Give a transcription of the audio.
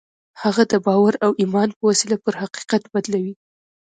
هغه د باور او ايمان په وسيله پر حقيقت بدلوي.